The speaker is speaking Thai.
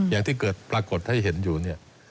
อย่างที่เกิดปรากฏให้เห็นอยู่เนี่ย